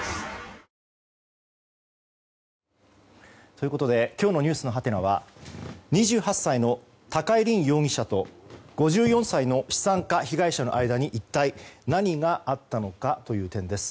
ということで今日のｎｅｗｓのハテナは２８歳の高井凜容疑者と５４歳の資産家被害者の間に一体何があったのかという点です。